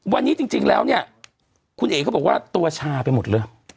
วันนี้จริงแล้วเนี่ยคุณเอ๋เขาบอกว่าตัวชาไปหมดเลย